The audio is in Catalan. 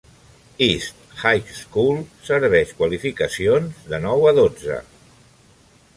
East High School serveix qualificacions de nou a dotze.